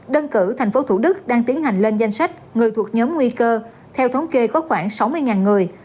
đơn cử tp thủ đức đang tiến hành lên danh sách người thuộc nhóm nguy cơ theo thống kê có khoảng sáu mươi người